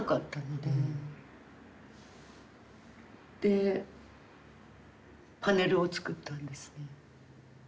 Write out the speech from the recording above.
でパネルを作ったんですね。